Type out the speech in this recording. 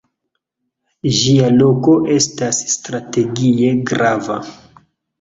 Ĝia loko estas strategie grava.